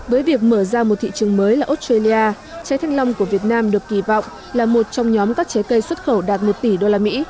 với việc mở ra một thị trường mới là australia trái thanh long của việt nam được kỳ vọng là một trong nhóm các trái cây xuất khẩu đạt một tỷ usd